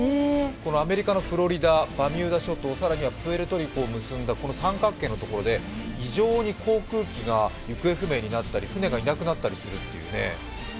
アメリカのフロリダ、バミューダ諸島、更にはプエルトリコを結んだ三角形のところで、異常に航空機が行方不明になったり船がいなくなったりするという。